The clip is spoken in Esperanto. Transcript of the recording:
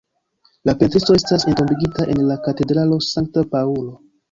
La pentristo estas entombigita en la katedralo Sankta Paŭlo.